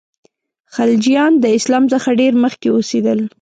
خلجیان د اسلام څخه ډېر مخکي اوسېدلي.